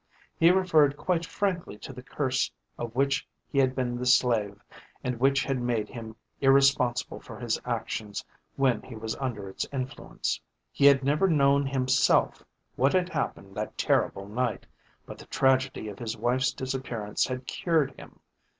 He referred quite frankly to the curse of which he had been the slave and which had made him irresponsible for his actions when he was under its influence. He had never known himself what had happened that terrible night, but the tragedy of his wife's disappearance had cured him.